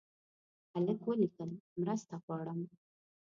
هلک ولیکل مرسته غواړم.